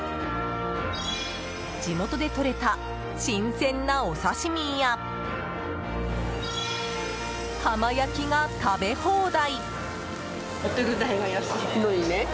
地元でとれた新鮮なお刺し身や浜焼きが食べ放題！